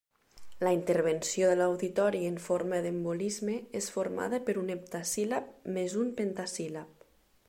La intervenció de l'auditori en forma d'embolisme és formada per un heptasíl·lab més un pentasíl·lab.